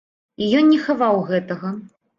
І ён не хаваў гэтага.